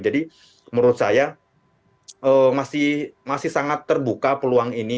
jadi menurut saya masih sangat terbuka peluang ini